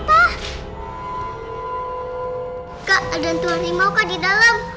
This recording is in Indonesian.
rafa ada tuan rima di dalam